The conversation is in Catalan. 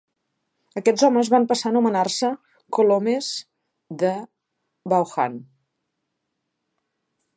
Aquests homes van passar a anomenar-se "colomes de Vaughan".